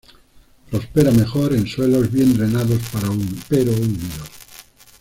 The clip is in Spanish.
Prospera mejor en suelos bien drenados pero húmedos.